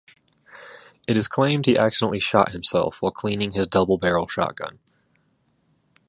It is claimed he accidentally shot himself while cleaning his double-barrel shotgun.